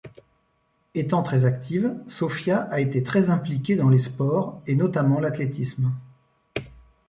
Étant très active, Sofia a été très impliqué dans les sports et notamment l'athlétisme.